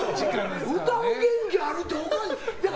歌う元気あるっておかしいやん！